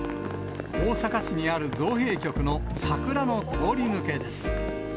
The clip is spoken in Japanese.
大阪市にある造幣局の桜の通り抜けです。